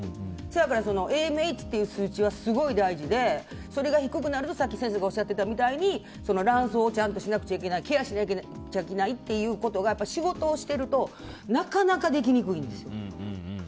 だからＡＭＨという数値はすごい大事で、それが低くなるとさっき先生がおっしゃってたみたいに卵巣をちゃんとケアしなきゃいけないことが仕事をしているとなかなかできにくいんです。